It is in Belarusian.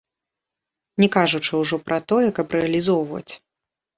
Не кажучы ўжо пра тое, каб рэалізоўваць.